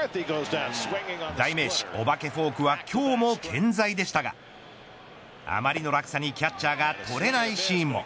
代名詞お化けフォークは今日も健在でしたがあまりの落差に、キャッチャーが取れないシーンも。